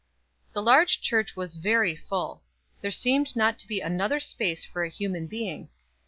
The large church was very full; there seemed not to be another space for a human being.